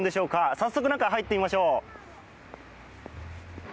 早速、中、入ってみましょう。